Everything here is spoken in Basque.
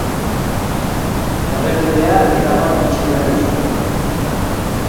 Errepidea erabat itxi behar izan dute.